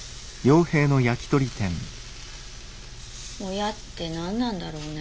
親って何なんだろうね。